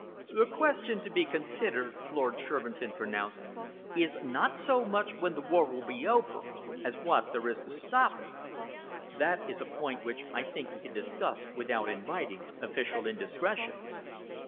"The question to be considered," Lord Shervinton pronounced, "is not so much when the war will be over as what there is to stop it? That is a point which I think we can discuss without inviting official indiscretions."